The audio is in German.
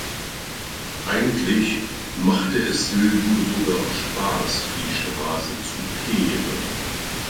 Eigentlich machte es Silvio sogar Spaß die Straße zu kehren.